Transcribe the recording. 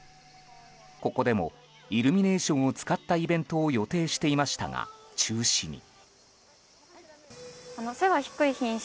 ここでもイルミネーションを使ったイベントを予定していましたが、中止に。